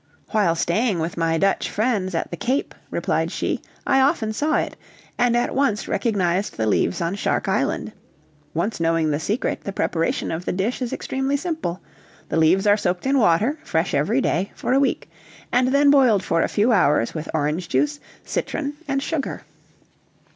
"While staying with my Dutch friends at the Cape," replied she, "I often saw it, and at once recognized the leaves on Shark Island. Once knowing the secret, the preparation of the dish is extremely simple; the leaves are soaked in water, fresh every day, for a week, and then boiled for a few hours with orange juice, citron, and sugar."